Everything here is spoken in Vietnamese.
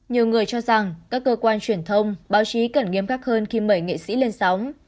nhiều người cho rằng các cơ quan truyền thông báo chí cần nghiêm khắc hơn khi mời nghệ sĩ lên sóng